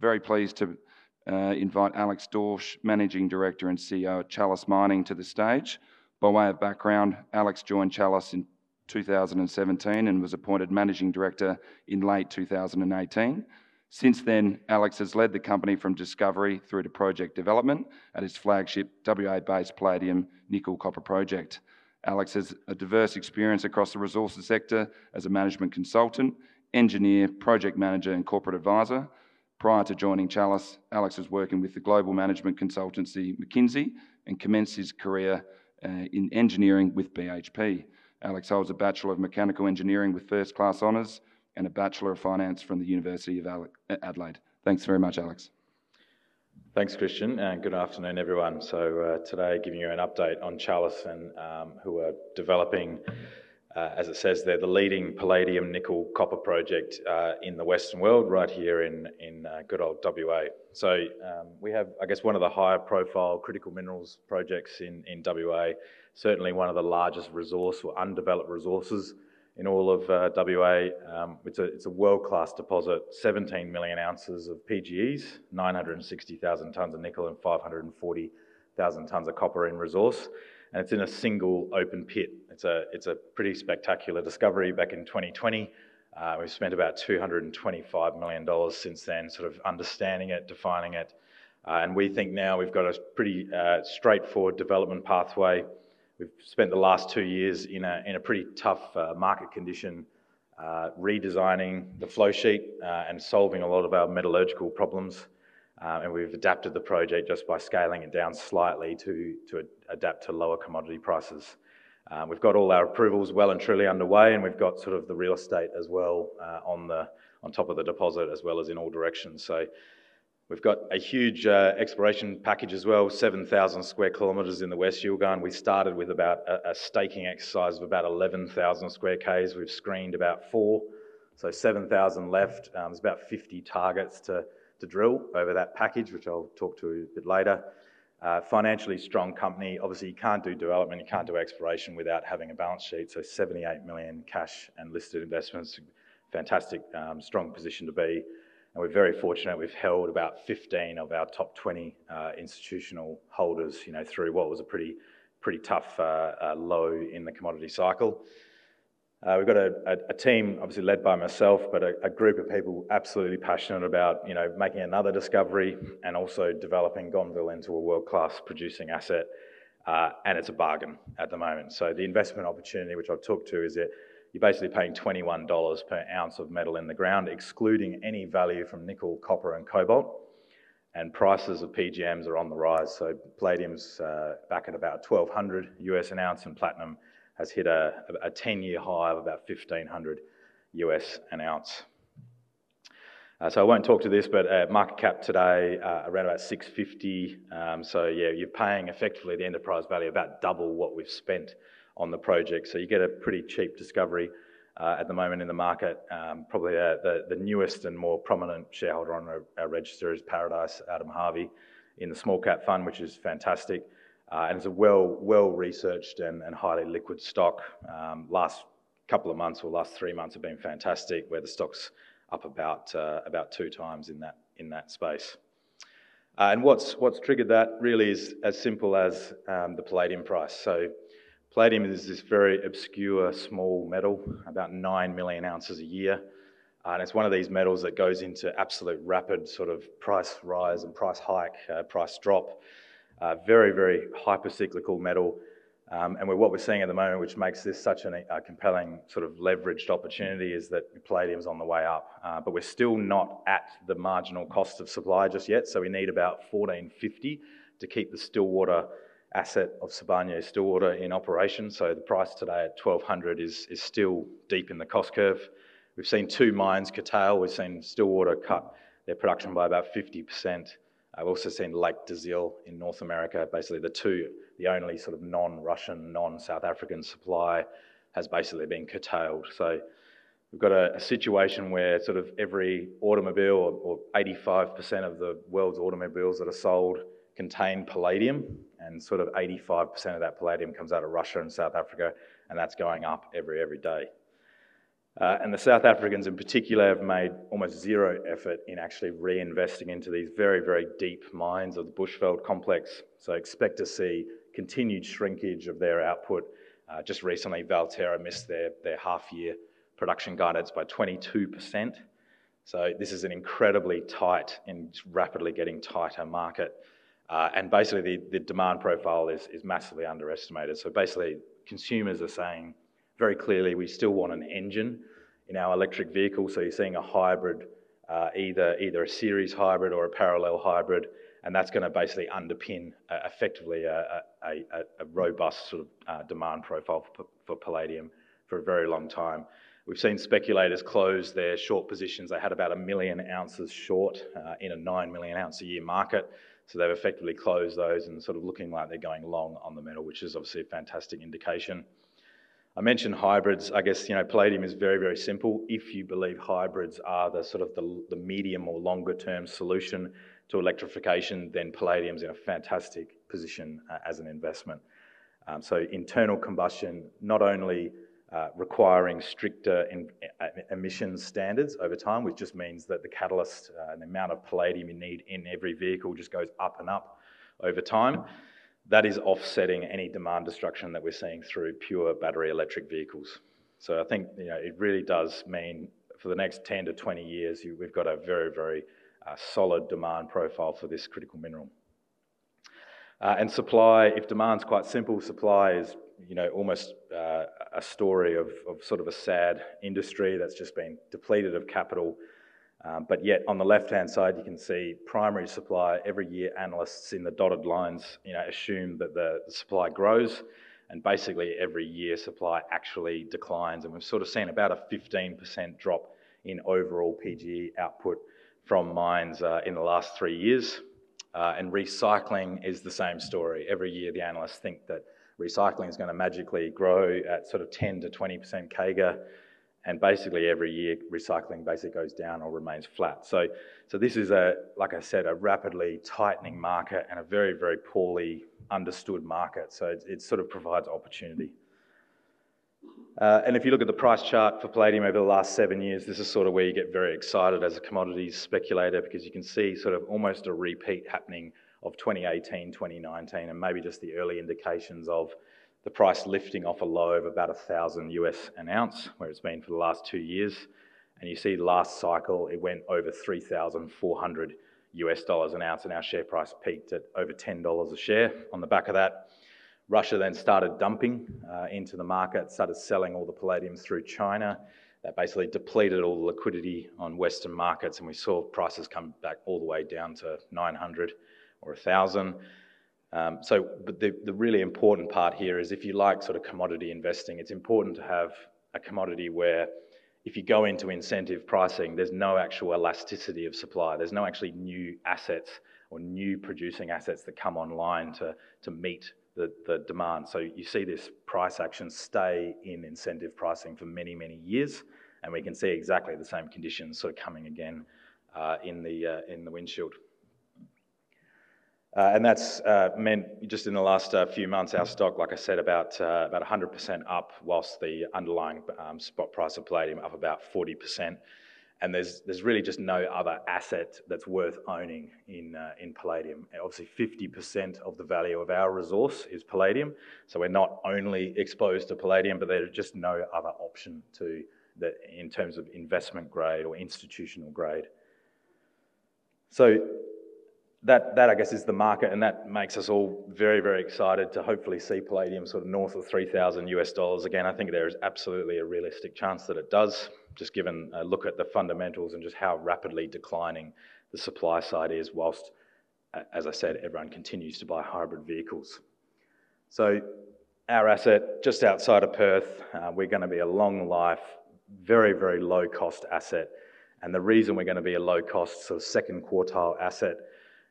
Very pleased to invite Alex Dorsch, Managing Director and CEO of Chalice Mining, to the stage. By way of background, Alex joined Chalice in 2017 and was appointed Managing Director in late 2018. Since then, Alex has led the company from discovery through to project development at his flagship W.A.-based palladium nickel-copper project. Alex has diverse experience across the resources sector as a management consultant, engineer, project manager, and corporate advisor. Prior to joining Chalice, Alex was working with the global management consultancy McKinsey and commenced his career in engineering with BHP. Alex holds a Bachelor of Mechanical Engineering with first-class honors and a Bachelor of Finance from the University of Adelaide. Thanks very much, Alex. Thanks, Christian, and good afternoon, everyone. Today, giving you an update on Chalice and who are developing, as it says there, the leading palladium nickel-copper project in the Western world, right here in good old W.A. We have, I guess, one of the higher-profile critical minerals projects in W.A., certainly one of the largest resource or undeveloped resources in all of W.A. It's a world-class deposit, 17 million ounces of PGEs, 960,000 tons of nickel, and 540,000 tons of copper in resource, and it's in a single open pit. It's a pretty spectacular discovery back in 2020. We've spent about 225 million dollars since then, sort of understanding it, defining it, and we think now we've got a pretty straightforward development pathway. We've spent the last two years in a pretty tough market condition, redesigning the flow sheet and solving a lot of our metallurgical problems, and we've adapted the project just by scaling it down slightly to adapt to lower commodity prices. We've got all our approvals well and truly underway, and we've got sort of the real estate as well on top of the deposit as well as in all directions. We've got a huge exploration package as well, 7,000 sq km in the West Yilgarn; we started with about a staking exercise of about 11,000 sq km. We've screened about 4,000 sq km, so 7,000 sq km left. There's about 50 targets to drill over that package, which I'll talk to a bit later. Financially strong company, obviously you can't do development, you can't do exploration without having a balance sheet, so 78 million cash and listed investments, fantastic strong position to be. We are very fortunate we've held about 15 of our top 20 institutional holders, you know, through what was a pretty tough low in the commodity cycle. We've got a team obviously led by myself, but a group of people absolutely passionate about making another discovery and also developing Gonneville into a world-class producing asset, and it's a bargain at the moment. The investment opportunity, which I've talked to, is that you're basically paying 21 dollars per ounce of metal in the ground, excluding any value from nickel, copper, and cobalt, and prices of PGMs are on the rise. Palladium's back at about $1,200 an ounce, and platinum has hit a 10-year high of about $1,500 an ounce. I won't talk to this, but market cap today around about $650, so yeah, you're paying effectively the enterprise value, about double what we've spent on the project. You get a pretty cheap discovery at the moment in the market. Probably the newest and more prominent shareholder on our register is Paradice, Adam Harvey, in the small-cap fund, which is fantastic, and it's a well-researched and highly liquid stock. Last couple of months or last three months have been fantastic where the stock's up about 2x in that space. What's triggered that really is as simple as the palladium price. Palladium is this very obscure small metal, about 9 million ounces a year, and it's one of these metals that goes into absolute rapid sort of price rise and price hike, price drop, very, very hypercyclical metal. What we're seeing at the moment, which makes this such a compelling sort of leveraged opportunity, is that palladium's on the way up, but we're still not at the marginal cost of supply just yet. We need about 1,450 to keep the Stillwater asset of Sibanye-Stillwater in operation. The price today at 1,200 is still deep in the cost curve. We've seen two mines curtail, we've seen Stillwater cut their production by about 50%. We've also seen Lac des Iles in North America, basically the only sort of non-Russian, non-South African supply, has basically been curtailed. We've got a situation where sort of every automobile or 85% of the world's automobiles that are sold contain palladium, and sort of 85% of that palladium comes out of Russia and South Africa, and that's going up every day. The South Africans in particular have made almost zero effort in actually reinvesting into these very, very deep mines of the Bushveld Complex. Expect to see continued shrinkage of their output. Just recently, Valterra missed their half-year production guidance by 22%. This is an incredibly tight and rapidly getting tighter market, and basically the demand profile is massively underestimated. Basically, consumers are saying very clearly we still want an engine in our electric vehicle. You're seeing a hybrid, either a series hybrid or a parallel hybrid, and that's going to basically underpin effectively a robust sort of demand profile for palladium for a very long time. We've seen speculators close their short positions; they had about a million ounces short in a 9 million ounce a year market. They've effectively closed those and sort of looking like they're going long on the metal, which is obviously a fantastic indication. I mentioned hybrids; I guess, you know, palladium is very, very simple. If you believe hybrids are the sort of the medium or longer-term solution to electrification, then palladium's in a fantastic position as an investment. Internal combustion not only requiring stricter emissions standards over time, which just means that the catalyst and the amount of palladium you need in every vehicle just goes up and up over time, is offsetting any demand destruction that we're seeing through pure battery electric vehicles. I think it really does mean for the next 10-20 years we've got a very, very solid demand profile for this critical mineral. If demand's quite simple, supply is almost a story of sort of a sad industry that's just been depleted of capital. Yet, on the left-hand side, you can see primary supply. Every year, analysts in the dotted lines assume that the supply grows, and basically every year supply actually declines. We've seen about a 15% drop in overall PGE output from mines in the last three years, and recycling is the same story. Every year, the analysts think that recycling's going to magically grow at sort of 10%-20% CAGR, and basically every year recycling goes down or remains flat. This is, like I said, a rapidly tightening market and a very, very poorly understood market. It sort of provides opportunity. If you look at the price chart for palladium over the last seven years, this is where you get very excited as a commodities speculator because you can see almost a repeat happening of 2018, 2019, and maybe just the early indications of the price lifting off a low of about $1,000 an ounce, where it's been for the last two years. You see last cycle it went over $3,400 an ounce, and our share price peaked at over 10 dollars a share on the back of that. Russia then started dumping into the market, started selling all the palladium through China. That basically depleted all the liquidity on Western markets, and we saw prices come back all the way down to 900 or 1,000. The really important part here is if you like commodity investing, it's important to have a commodity where if you go into incentive pricing, there's no actual elasticity of supply. There's no actually new assets or new producing assets that come online to meet the demand. You see this price action stay in incentive pricing for many, many years, and we can see exactly the same conditions sort of coming again in the windshield. That's meant just in the last few months our stock, like I said, about 100% up whilst the underlying spot price of palladium up about 40%. There's really just no other asset that's worth owning in palladium. Obviously, 50% of the value of our resource is palladium. We're not only exposed to palladium, but there's just no other option in terms of investment grade or institutional grade. That, I guess, is the market, and that makes us all very, very excited to hopefully see palladium sort of north of $3,000 again. I think there is absolutely a realistic chance that it does, just given a look at the fundamentals and just how rapidly declining the supply side is whilst, as I said, everyone continues to buy hybrid vehicles. Our asset just outside of Perth, we're going to be a long-life, very, very low-cost asset. The reason we're going to be a low-cost sort of second quartile asset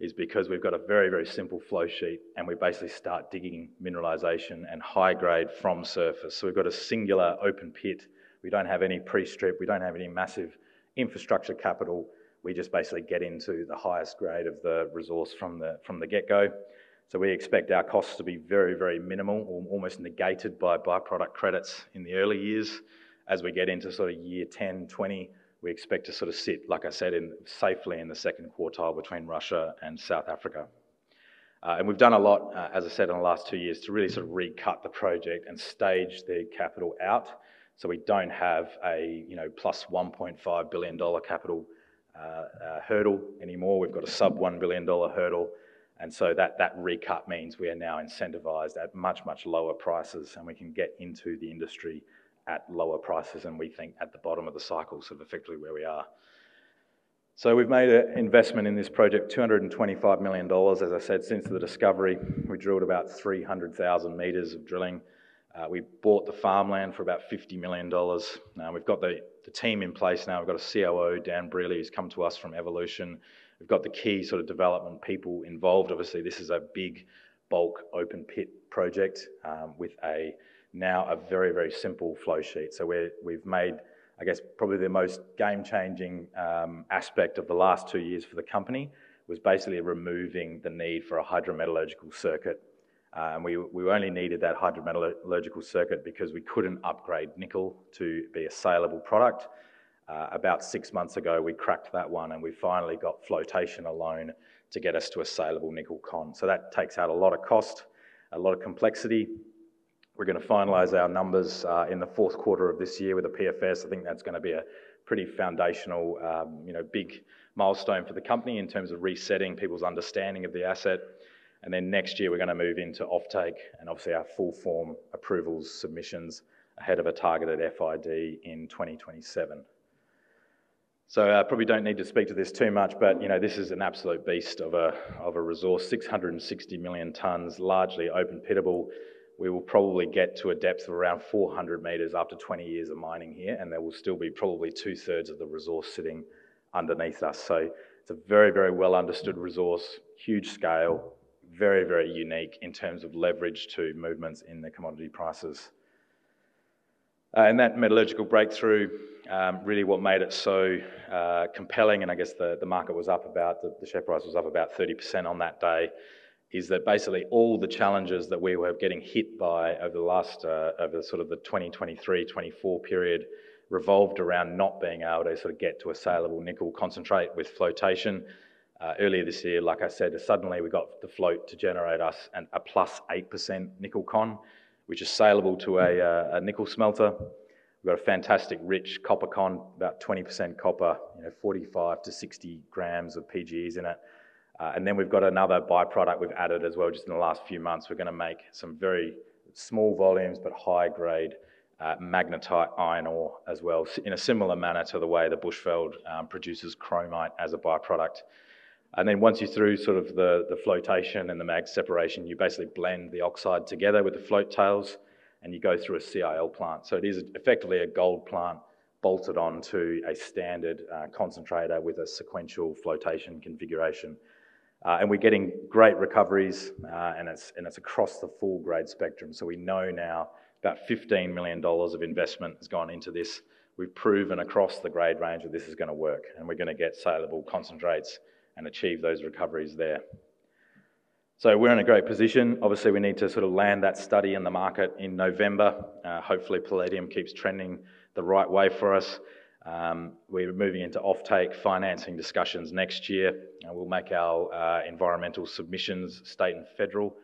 is because we've got a very, very simple flow sheet, and we basically start digging mineralization and high-grade from surface. We've got a singular open pit. We don't have any pre-strip. We don't have any massive infrastructure capital. We just basically get into the highest grade of the resource from the get-go. We expect our costs to be very, very minimal or almost negated by byproduct credits in the early years. As we get into sort of year 10, 20, we expect to sort of sit, like I said, safely in the second quartile between Russia and South Africa. We've done a lot, as I said, in the last two years to really sort of recut the project and stage the capital out so we don't have a, you know, +1.5 billion dollar capital hurdle anymore. We've got a sub-AUD 1 billion hurdle. That recut means we are now incentivized at much, much lower prices, and we can get into the industry at lower prices. We think at the bottom of the cycle, sort of effectively where we are. We've made an investment in this project, 225 million dollars, as I said, since the discovery. We drilled about 300,000 m of drilling. We bought the farmland for about 50 million dollars. We've got the team in place now. We've got a COO, Dan Brearley, who's come to us from Evolution. We've got the key sort of development people involved. Obviously, this is a big bulk open pit project with now a very, very simple flow sheet. We've made, I guess, probably the most game-changing aspect of the last two years for the company was basically removing the need for a hydrometallurgical circuit. We only needed that hydrometallurgical circuit because we couldn't upgrade nickel to be a saleable product. About six months ago, we cracked that one, and we finally got flotation alone to get us to a saleable nickel concentrate. That takes out a lot of cost, a lot of complexity. We're going to finalize our numbers in the fourth quarter of this year with the PFS. I think that's going to be a pretty foundational, big milestone for the company in terms of resetting people's understanding of the asset. Next year, we're going to move into off-take and obviously our full-form approvals submissions ahead of a targeted FID in 2027. I probably don't need to speak to this too much, but this is an absolute beast of a resource, 660 million tons, largely open pittable. We will probably get to a depth of around 400 m after 20 years of mining here, and there will still be probably 2/3 of the resource sitting underneath us. It's a very, very well-understood resource, huge scale, very, very unique in terms of leverage to movements in the commodity prices. That metallurgical breakthrough, really what made it so compelling, and I guess the market was up about, the share price was up about 30% on that day, is that basically all the challenges that we were getting hit by over the 2023-2024 period revolved around not being able to sort of get to a saleable nickel concentrate with flotation. Earlier this year, like I said, suddenly we got the float to generate us a plus 8% nickel concentrate, which is saleable to a nickel smelter. We've got a fantastic rich copper concentrate, about 20% copper, 45 g-60 g of PGEs in it. We've got another byproduct we've added as well just in the last few months. We're going to make some very small volumes but high-grade magnetite iron ore as well in a similar manner to the way the Bushveld produces chromite as a byproduct. Once you're through the flotation and the mag separation, you basically blend the oxide together with the float tails, and you go through a CIL plant. It is effectively a gold plant bolted onto a standard concentrator with a sequential flotation configuration. We're getting great recoveries, and it's across the full grade spectrum. We know now about 15 million dollars of investment has gone into this. We've proven across the grade range that this is going to work, and we're going to get saleable concentrates and achieve those recoveries there. We're in a great position. Obviously, we need to sort of land that study in the market in November. Hopefully, palladium keeps trending the right way for us. We're moving into off-take financing discussions next year, and we'll make our environmental submissions state and federal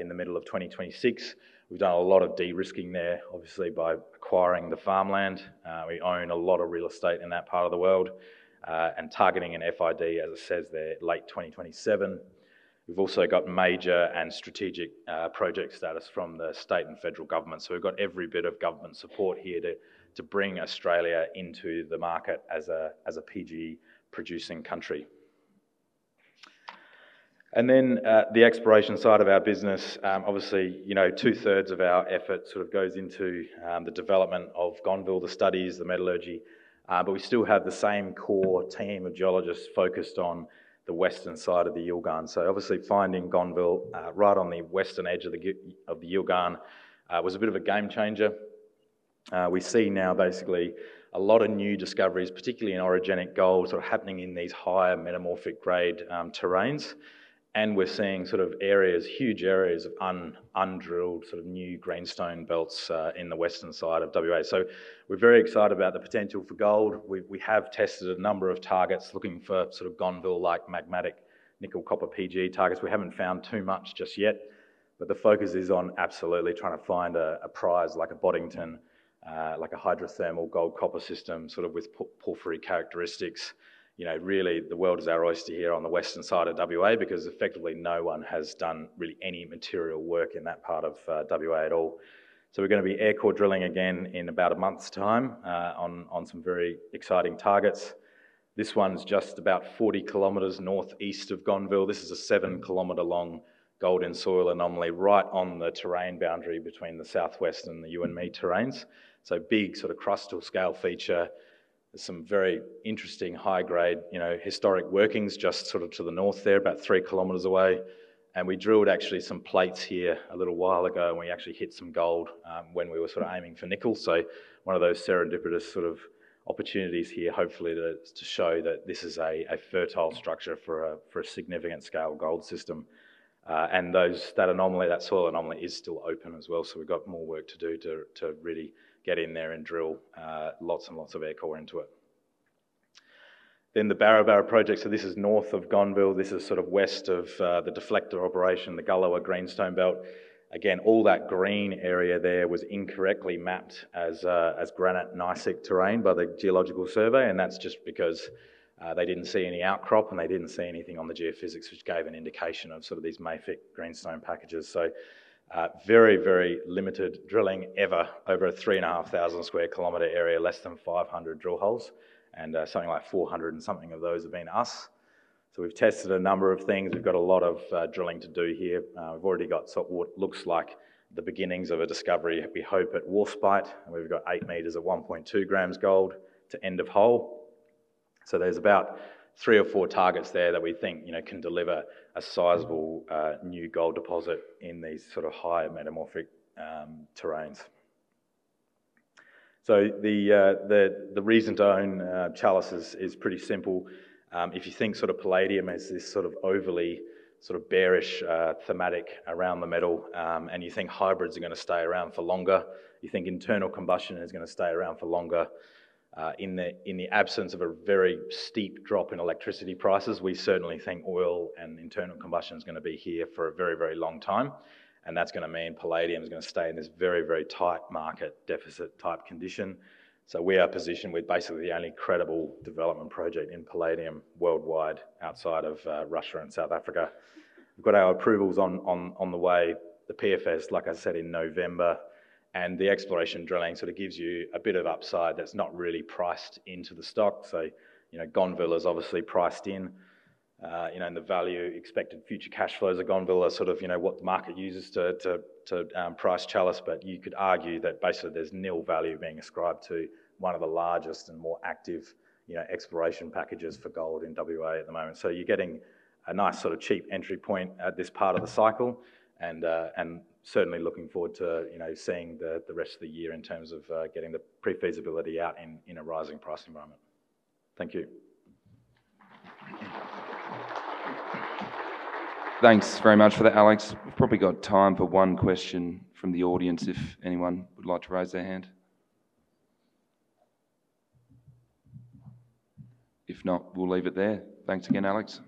in the middle of 2026. We've done a lot of de-risking there, obviously, by acquiring the farmland. We own a lot of real estate in that part of the world and targeting an FID, as it says there, late 2027. We've also got major and strategic project status from the state and federal government. We've got every bit of government support here to bring Australia into the market as a PGE-producing country. The exploration side of our business, obviously, you know, 2/3 of our effort sort of goes into the development of Gonneville, the studies, the metallurgy, but we still have the same core team of geologists focused on the western side of the Yilgarn. Finding Gonneville right on the western edge of the Yilgarn was a bit of a game changer. We see now basically a lot of new discoveries, particularly in orogenic gold, sort of happening in these higher metamorphic grade terrains. We're seeing sort of areas, huge areas of undrilled sort of new greenstone belts in the western side of W.A. We're very excited about the potential for gold. We have tested a number of targets looking for sort of Gonneville-like magmatic nickel-copper PGE targets. We haven't found too much just yet, but the focus is on absolutely trying to find a prize like a Boddington, like a hydrothermal gold-copper system with porphyry characteristics. Really, the world is our oyster here on the western side of W.A. because effectively no one has done really any material work in that part of W.A. at all. We're going to be air-core drilling again in about a month's time on some very exciting targets. This one's just about 40 km northeast of Gonneville. This is a 7 km long gold-in-soil anomaly right on the terrain boundary between the Southwest and the Youanmi Terrane. Big sort of crustal scale feature, some very interesting high-grade, you know, historic workings just to the north there, about 3 km away. We drilled actually some plates here a little while ago, and we actually hit some gold when we were sort of aiming for nickel. One of those serendipitous sort of opportunities here, hopefully, to show that this is a fertile structure for a significant scale gold system. That anomaly, that soil anomaly, is still open as well. We've got more work to do to really get in there and drill lots and lots of air core into it. The Barrabarra project, this is north of Gonneville. This is sort of west of the Deflector operation, the Gullewa greenstone belt. All that green area there was incorrectly mapped as granite-gneissic terrain by the geological survey, and that's just because they didn't see any outcrop, and they didn't see anything on the geophysics, which gave an indication of these mafic greenstone packages. Very, very limited drilling ever over a 3,500 sq km area, less than 500 drill holes, and something like 400 and something of those have been us. We've tested a number of things. We've got a lot of drilling to do here. We've already got what looks like the beginnings of a discovery, we hope, at Warspite, and we've got 8 m at 1.2 g gold to end of hole. There are about three or four targets there that we think can deliver a sizable new gold deposit in these higher metamorphic terrains. The reason to own Chalice is pretty simple. If you think palladium as this sort of overly bearish thematic around the metal, and you think hybrids are going to stay around for longer, you think internal combustion is going to stay around for longer. In the absence of a very steep drop in electricity prices, we certainly think oil and internal combustion is going to be here for a very, very long time, and that's going to mean palladium is going to stay in this very, very tight market deficit type condition. We are positioned with basically the only credible development project in palladium worldwide outside of Russia and South Africa. We've got our approvals on the way, the PFS, like I said, in November, and the exploration drilling gives you a bit of upside that's not really priced into the stock. Gonneville is obviously priced in, the expected future cash flows of Gonneville are sort of what the market uses to price Chalice, but you could argue that basically there's nil value being ascribed to one of the largest and more active exploration packages for gold in W.A. at the moment. You're getting a nice sort of cheap entry point at this part of the cycle, and certainly looking forward to seeing the rest of the year in terms of getting the pre-feasibility out in a rising price environment. Thank you. Thanks very much for that, Alex. We've probably got time for one question from the audience if anyone would like to raise their hand. If not, we'll leave it there. Thanks again, Alex.